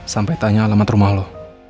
sampai tanya alamat rumah lo